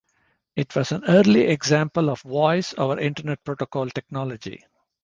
It was an early example of Voice over Internet Protocol technology.